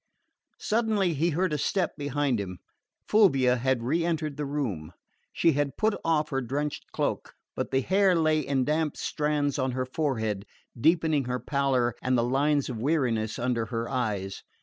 Suddenly he heard a step behind him. Fulvia had re entered the room. She had put off her drenched cloak, but the hair lay in damp strands on her forehead, deepening her pallor and the lines of weariness under her eyes.